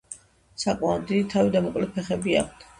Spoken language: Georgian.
საკმაოდ დიდი თავი და მოკლე ფეხები აქვთ.